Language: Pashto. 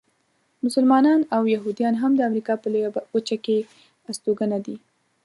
مسلمانان او یهودیان هم د امریکا په لویه وچه کې استوګنه دي.